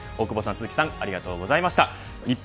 大久保さん鈴木さんありがとうございました。